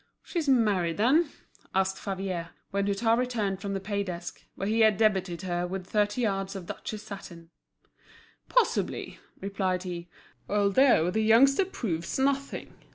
"She's married, then?" asked Favier, when Hutin returned from the pay desk, where he had debited her with thirty yards of Duchess satin. "Possibly," replied he, "although the youngster proves nothing.